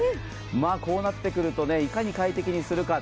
こうなってくるといかに快適にするか。